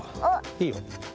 いいよ。